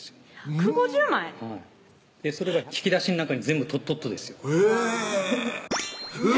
１５０枚それが引き出しの中に全部取っとっとですよへぇうわ！